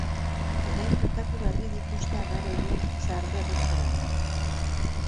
Orain bukatu berri dituzte adar horien zaharberritze lanak.